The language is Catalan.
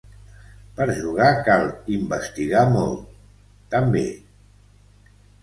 Per jugar cal investigar molt, també.